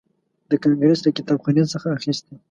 د کانګریس له کتابخانې څخه اخیستی.